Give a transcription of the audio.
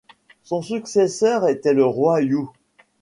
Son successeur était le roi You.